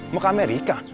mau ke amerika